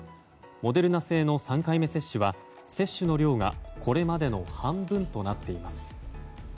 モデルナ製の３回目接種は接種の量がこれまでの半分となっています。